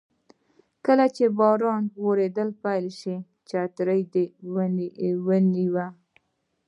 کله چې باران وریدل پیل شول چترۍ دې ونیوه.